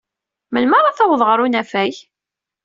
Melmi ara taweḍ ɣer unafag?